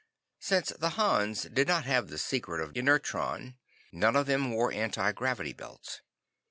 Since the Hans did not have the secret of inertron, none of them wore anti gravity belts.